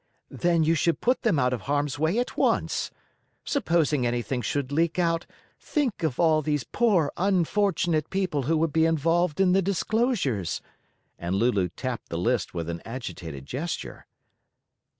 "Then you should put them out of harm's way at once. Supposing anything should leak out, think of all these poor, unfortunate people who would be involved in the disclosures," and Lulu tapped the list with an agitated gesture.